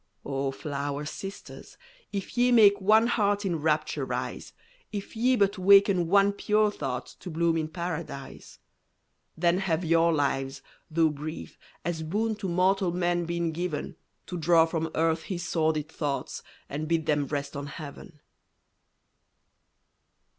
O flower sisters, if ye make One heart in rapture rise; If ye but waken one pure thought To bloom in Paradise. Then have your lives, though brief, as boon To mortal man been given, To draw from earth his sordid thoughts And bid them rest on Heaven!